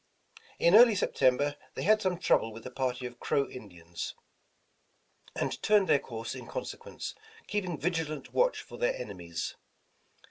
In early September they had some trouble with a party of Crow Indians, and turned their* course in consequence, keeping vigilant watch for their enemies.